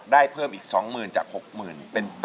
ได้เพิ่มอีก๒๐๐๐๐จาก๖๐๐๐๐เป็น๘๐๐๐๐